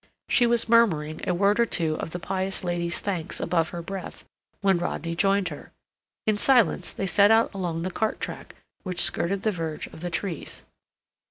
She was murmuring a word to two of the pious lady's thanks above her breath when Rodney joined her. In silence they set out along the cart track which skirted the verge of the trees.